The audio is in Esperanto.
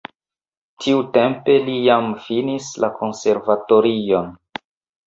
Tiutempe li jam finis la konservatorion.